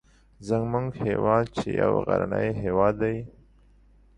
زموږ هیواد چې یو غرنی هیواد دی